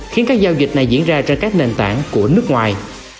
khiến các giao dịch này diễn ra trên các nền tảng của nước ngoài